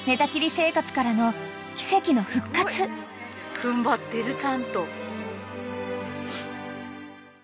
踏ん張ってるちゃんと。